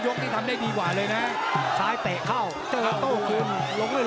นี่ทำได้ดีกว่าเลยนะซ้ายเตะเข้าเจอโต้คืนลงเรื่อย